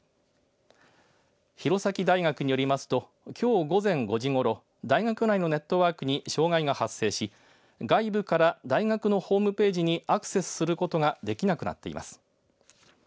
弘前大学によりますときょう、午前５時ごろ大学内のネットワークに障害が発生し外部から大学のホームページにアクセスすることができなくなっています。